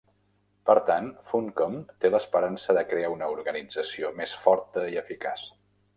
Per tant, Funcom té l'esperança de crear una organització més forta i eficaç.